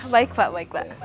baik pak baik pak